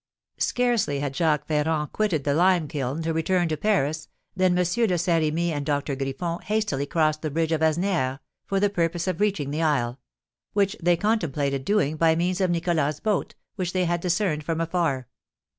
Scarcely had Jacques Ferrand quitted the lime kiln to return to Paris than M. de Saint Remy and Doctor Griffon hastily crossed the bridge of Asnières, for the purpose of reaching the isle; which they contemplated doing by means of Nicholas's boat, which they had discerned from afar.